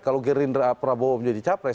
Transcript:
kalau gerindra prabowo menjadi capres